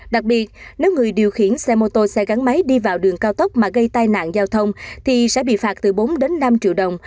đặc biệt nếu người điều khiển xe mô tô xe gắn máy đi vào đường cao tốc mà gây tai nạn giao thông thì sẽ bị phạt từ bốn đến năm triệu đồng